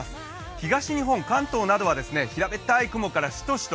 東日本、関東などは平べったい雲からしとしと